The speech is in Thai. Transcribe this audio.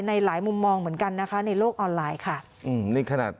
ในหลายมุมมองเหมือนกันนะคะในโลกออนไลน์ค่ะอืมนี่ขนาด